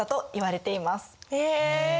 へえ。